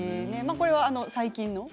これは最近の？